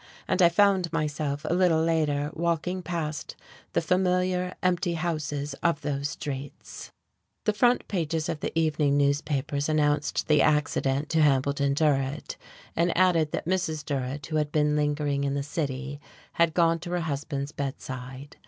And I found myself a little later walking past the familiar, empty houses of those streets.... The front pages of the evening newspapers announced the accident to Hambleton Durrett, and added that Mrs. Durrett, who had been lingering in the city, had gone to her husband's bedside.